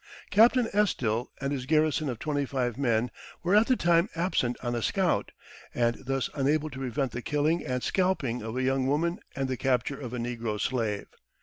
Captain Estill and his garrison of twenty five men were at the time absent on a scout, and thus unable to prevent the killing and scalping of a young woman and the capture of a negro slave.